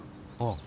ああ。